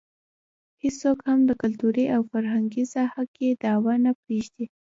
هېڅوک هم د کلتوري او فرهنګي ساحه کې دعوه نه پرېږدي.